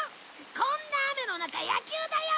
こんな雨の中野球だよ！